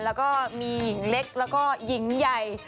แล้วก็มีหญิงเล็กแล้วก็หญิงใหญ่